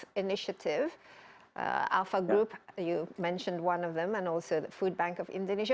ini adalah initiative alpha group anda menyebutkan salah satu dan juga foodbank of indonesia